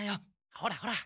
ほらほら。